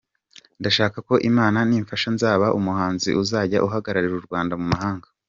Ndashaka ko Imana nimfasha nzaba umuhanzi uzajya uhagararira u Rwanda mu mahanga.